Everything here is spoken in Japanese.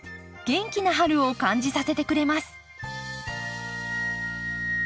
元気な春を感じさせてくれます。